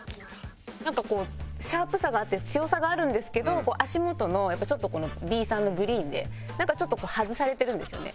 なんかこうシャープさがあって強さがあるんですけど足元のちょっとこのビーサンのグリーンでなんかちょっとハズされてるんですよね。